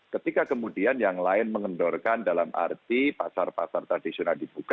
ketika kemudian yang lain mengendorkan dalam arti pasar pasar tradisional dibuka